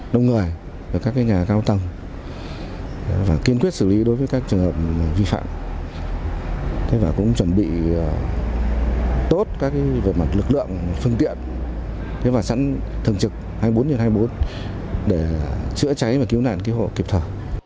đồng người các nhà cao tầng kiên quyết xử lý đối với các trường hợp vi phạm chuẩn bị tốt các vật mặt lực lượng phương tiện sẵn thường trực hai mươi bốn h hai mươi bốn để chữa cháy và cứu nạn cứu hộ kịp thở